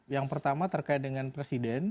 yang pertama terkait dengan presiden